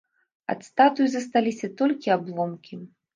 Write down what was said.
Ад статуі засталіся толькі абломкі.